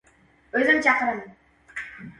O‘zim chaqiraman.